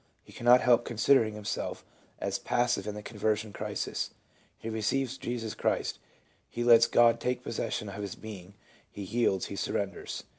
He cannot help considering himself as passive in the conversion crisis: he receives Jesus Christ ; he lets God take possession of his being, he yields, he surrenders.